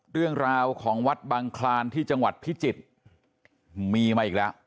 เรื่องราวของวัดบังคลานที่จังหวัดพิจิตรมีมาอีกแล้ว